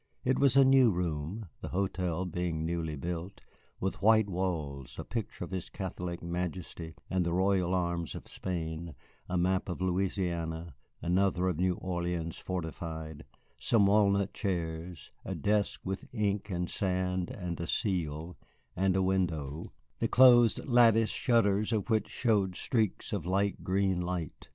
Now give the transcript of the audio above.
It was a new room, the hotel being newly built, with white walls, a picture of his Catholic Majesty and the royal arms of Spain, a map of Louisiana, another of New Orleans fortified, some walnut chairs, a desk with ink and sand and a seal, and a window, the closed lattice shutters of which showed streaks of light green light.